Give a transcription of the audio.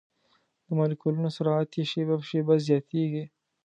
د مالیکولونو سرعت یې شېبه په شېبه زیاتیږي.